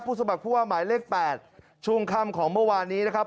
สมัครผู้ว่าหมายเลข๘ช่วงค่ำของเมื่อวานนี้นะครับ